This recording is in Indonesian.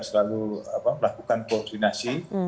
selalu melakukan koordinasi